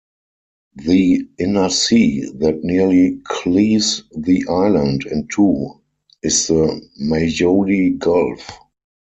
The "inner sea" that nearly cleaves the island in two is the Majoli Gulf.